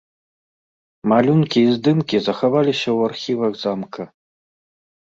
Малюнкі і здымкі захаваліся ў архівах замка.